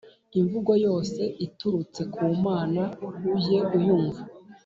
Imvugo yose iturutse ku Mana, ujye uyumva,